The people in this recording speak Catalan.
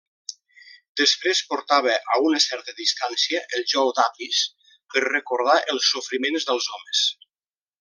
Després portava a una certa distància el jou d'Apis per recordar els sofriments dels homes.